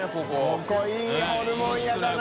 ここいいホルモン屋だな。